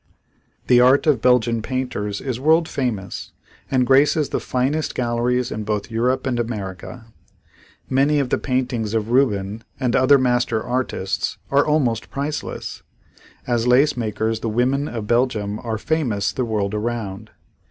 The art of Belgian painters is world famous and graces the finest galleries in both Europe and America. Many of the paintings of Rubens and other master artists are almost priceless. As lace makers the women of Belgium are famous the world around.